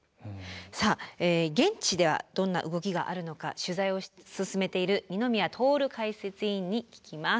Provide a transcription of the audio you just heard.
さあ現地ではどんな動きがあるのか取材を進めている二宮徹解説委員に聞きます。